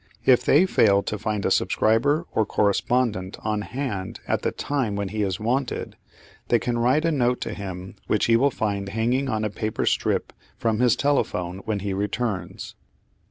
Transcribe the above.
If they fail to find a subscriber or correspondent on hand at the time when he is wanted, they can write a note to him which he will find hanging on a paper strip from his telephone when he returns.